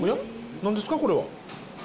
何ですかこれは？